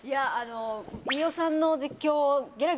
飯尾さんの実況。